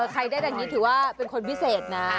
ใครได้ดังนี้ถือว่าเป็นคนพิเศษนะ